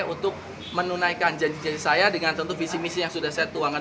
untuk menunaikan janji janji saya dengan tentu visi misi yang sudah saya tuangkan